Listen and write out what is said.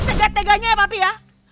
tegak tegaknya ya papi ya